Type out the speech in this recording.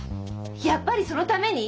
やっぱりそのために！？